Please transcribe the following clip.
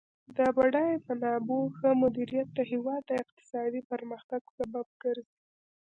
د بډایه منابعو ښه مدیریت د هیواد د اقتصادي پرمختګ سبب ګرځي.